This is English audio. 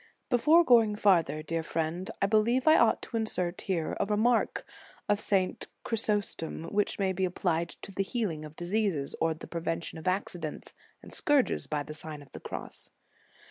* Before going farther, dear friend, I believe I ought to insert here a remark of St. Chry sostom, which may be applied to the healing of diseases, or the prevention of accidents and scourges by the Sign of the Cross.